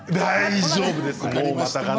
大丈夫です。